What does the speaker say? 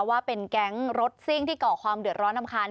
ว่าเป็นแก๊งรถซิ่งที่ก่อความเดือดร้อนรำคาญ